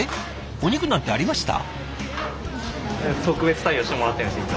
お肉なんてありました？